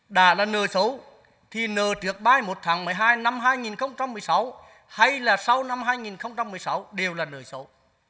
đã là nợ xấu thì nợ trước bài một tháng một mươi hai năm hai nghìn một mươi sáu hay là sau năm hai nghìn một mươi sáu đều là nợ xấu